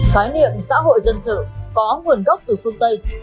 khái niệm xã hội dân sự có nguồn gốc từ phương tây